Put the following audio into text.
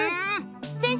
先生！